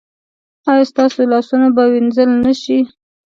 ایا ستاسو لاسونه به وینځل نه شي؟